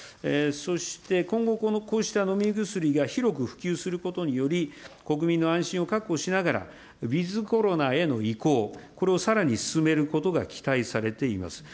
そして今後、こうした飲み薬が広く普及することにより、国民の安心を確保しながら、ウィズコロナへの移行、これをさらに進めることが期待されています。